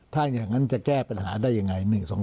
ถ้าอย่างนั้นจะแก้ปัญหาได้อย่างไร๑๒๓๔